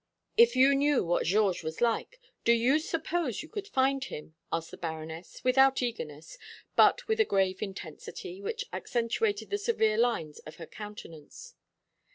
"If you knew what Georges was like, do you suppose you could find him?" asked the Baroness, without eagerness, but with a grave intensity, which accentuated the severe lines of her countenance.